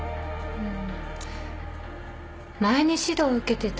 うん。